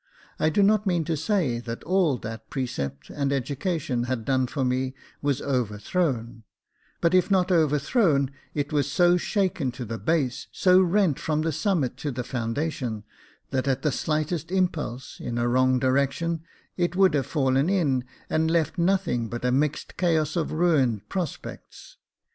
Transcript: I do not mean to say that all that precept and education had done for me was over thrown ; but if not overthrown, it was so shaken to the base, so rent from the summit to the foundation, that, at the slightest impulse, in a wrong direction, it would have fallen in and left nothing but a mixed chaos of ruined i66 Jacob Faithful prospects.